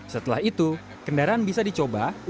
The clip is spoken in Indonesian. setelah itu kendaraan bisa dicoba untuk dikendaraan